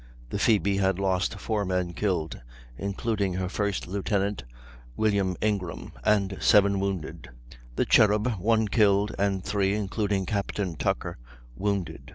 The Phoebe had lost 4 men killed, including her first lieutenant, William Ingram, and 7 wounded; the Cherub, 1 killed, and 3, including Captain Tucker, wounded.